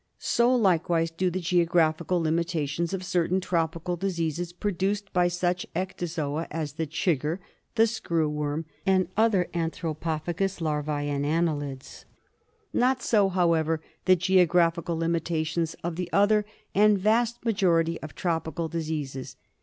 So, likewise, do the geographical limitations of certain tropical diseases produced by such ectozoa as the chigger, the screw worm, and other anthropophagous larvae and annelids. Not so, however, the geographical limitations of the other and vast majority of tropical diseases.